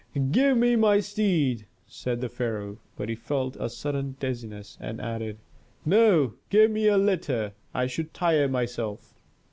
"Give me my steed!" said the pharaoh. But he felt a sudden dizziness and added, "No, give me a litter, I should tire myself."